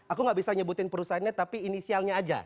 aku gak bisa nyebutin perusahaannya tapi inisialnya aja